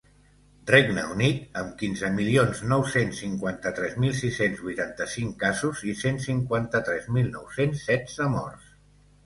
Regne Unit, amb quinze milions nou-cents cinquanta-tres mil sis-cents vuitanta-cinc casos i cent cinquanta-tres mil nou-cents setze morts.